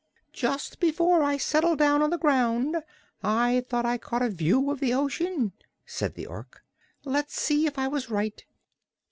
"Just before I settled down on the ground I thought I caught a view of the ocean," said the Ork. "Let's see if I was right."